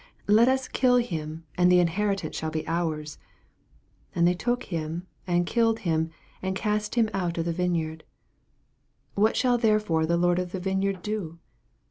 let us kill him, and the inheritance shall be onr's. 8 And they took him, and killed him, and cast him out of the vineyard. 9 What shall therefore the lord of the vineyard do?